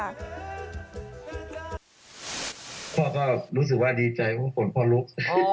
พ่อก็รูสึกว่าดีใจพ่อขนลุก